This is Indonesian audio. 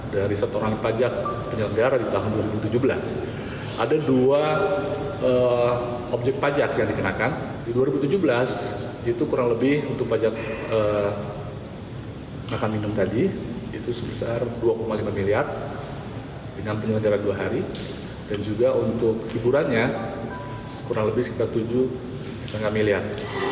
dan juga untuk hiburannya kurang lebih sekitar tujuh lima miliar